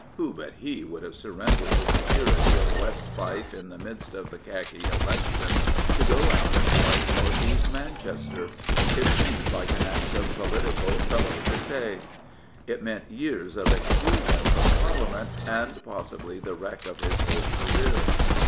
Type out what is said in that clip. Who but he would have surrendered the security of West Fife in the midst of the khaki election to go out and fight North East Manchester? It seemed like an act of political felo de se. It meant years of exclusion from Parliament, and possibly the wreck of his whole career.